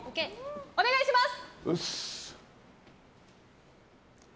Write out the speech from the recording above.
お願いします。